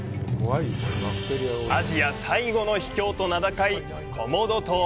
アジア最後の秘境と名高いコモド島。